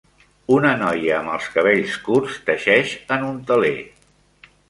Una noia amb els cabells curts teixeix en un teler.